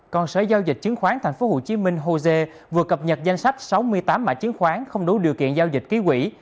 còn sở giao dịch chứng khoán tp hcm hosea vừa cập nhật danh sách sáu mươi tám mã chứng khoán không đủ điều kiện giao dịch ký quỷ